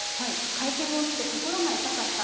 会見を見て心が痛かった。